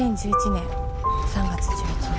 ２０１１年３月１１日。